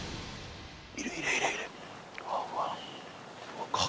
いるいるいるいる。